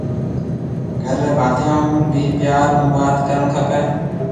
گھر ريَ ڀاتيون هون بي پيار هون وات ڪرڻ کپيَ۔